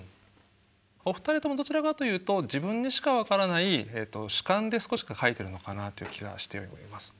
お二人ともどちらかというと自分にしか分からない主観で少し書いてるのかなという気がしております。